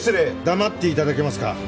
黙って頂けますか？